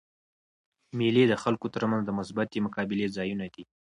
مېلې د خلکو تر منځ د مثبتي مقابلې ځایونه دي.